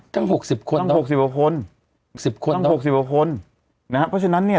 ตั้งหกสิบคนตั้งหกสิบหกคนสิบคนตั้งหกสิบหกคนนะฮะเพราะฉะนั้นเนี้ย